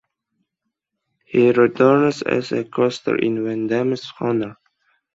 He returns as a costar in Van Dammes Honor.